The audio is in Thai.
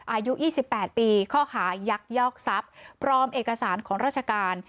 อายุ๒๘ปีข้อหายักยอกทรัพย์พร้อมเอกสารของราชการ